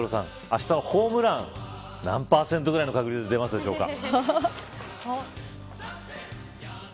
あしたはホームラン何％ぐらいの確率で出ますでしょうか。